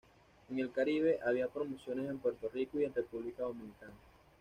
En el Caribe, había promociones en Puerto Rico y en República Dominicana.